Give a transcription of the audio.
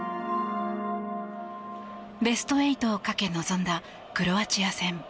ベスト８をかけ、臨んだクロアチア戦。